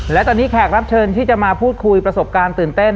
และตอนนี้แขกรับเชิญที่จะมาพูดคุยประสบการณ์ตื่นเต้น